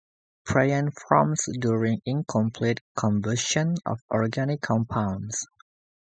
Pyrene forms during incomplete combustion of organic compounds.